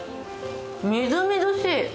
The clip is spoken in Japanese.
みずみずしい。